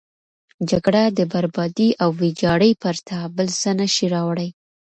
جګړه د بربادي او ویجاړي پرته بل څه نه شي راوړی.